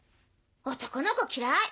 男の子嫌い！